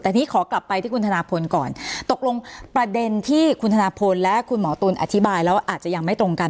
แต่นี่ขอกลับไปที่คุณธนาพลก่อนตกลงประเด็นที่คุณธนพลและคุณหมอตุ๋นอธิบายแล้วอาจจะยังไม่ตรงกัน